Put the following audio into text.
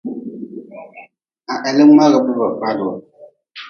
Ha he mngagbe ba fad-wu.